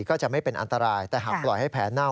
ก็จะไม่เป็นอันตรายแต่หากปล่อยให้แผลเน่า